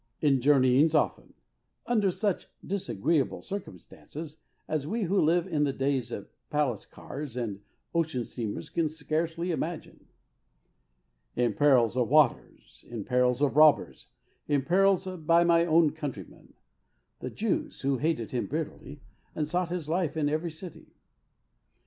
''In journeyings often, under such disagreeable circumstances as we who live in the days of palace cars and ocean steamers can scarcely imagine. " In perils of waters, in perils of robbers, in perils by mine own countrymen "— the Jews, who hated him bitterly, and sought his life in every city.